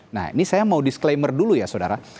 nah ini saya mau disclaimer dulu ya saudara